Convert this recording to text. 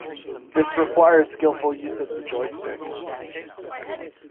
This required skillful use of the joystick.